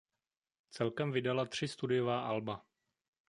Celkem vydala tři studiová alba.